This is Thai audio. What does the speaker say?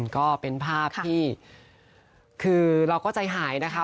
ก็เป็นภาพที่คือเราก็ใจหายนะคะ